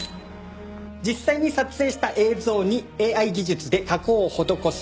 実際に撮影した映像にＡＩ技術で加工を施す。